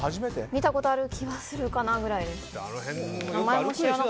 見たことある気がするかなくらいです。